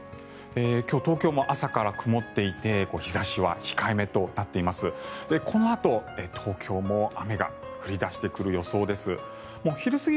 今日、東京も朝から曇っていて日差しは控えめとなっています。